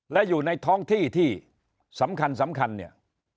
และอยู่ในท้องที่ที่สำคัญสำคัญเนี่ย